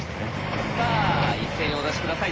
さあ一斉にお出し下さい。